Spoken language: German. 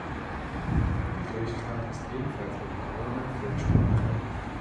Die Durchfahrt ist ebenfalls mit behauenen Feldsteinen erbaut.